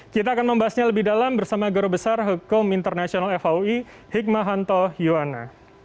kita akan membahasnya lebih dalam bersama guru besar hukum internasional faui hikmahanto yoana